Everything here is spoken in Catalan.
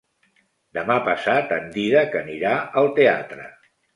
Demà passat en Dídac anirà al teatre.